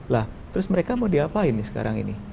lah terus mereka mau diapain nih sekarang ini